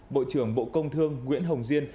bộ trưởng bộ công thương nguyễn hồng diên